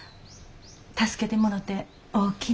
助けてもろておおきに。